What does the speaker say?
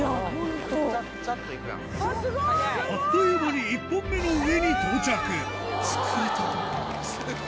あっという間に１本目の上に到着疲れた。